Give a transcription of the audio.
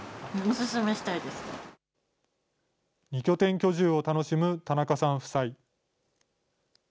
２拠点居住を楽しむ田中さん夫妻。